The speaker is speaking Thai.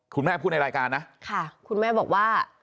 คุณแม่พูดในรายการนะค่ะคุณแม่บอกว่า